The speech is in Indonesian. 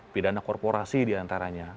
pidana korporasi diantaranya